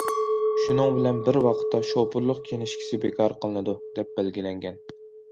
شۇنىڭ بىلەن بىر ۋاقىتتا شوپۇرلۇق كىنىشكىسى بىكار قىلىنىدۇ، دەپ بەلگىلەنگەن.